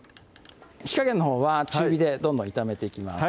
火加減のほうは中火でどんどん炒めていきます